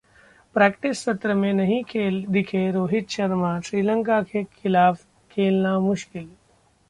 practice सत्र में नहीं दिखे रोहित शर्मा, श्रीलंका के खिलाफ खेलना मुश्किल